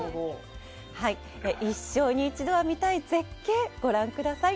一生に一度は見たい絶景、ご覧ください。